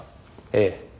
ええ。